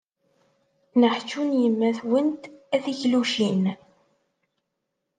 Neḥčun yemma-twent a tiklucin.